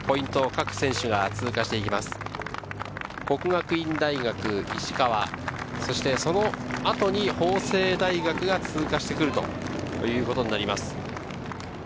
國學院大學・石川、その後に法政大学が通過してくるということになります。